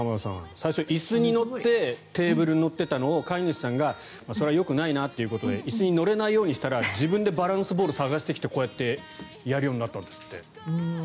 最初、椅子に乗ってテーブルに乗っていたのを飼い主さんがそれはよくないなということで自分でバランスボールを探してきてこうやってやるようになったんですって。